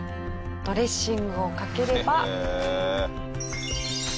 ドレッシングをかければ。